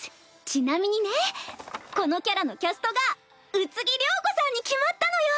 ちなみにねこのキャラのキャストが宇津木りょうこさんに決まったのよ。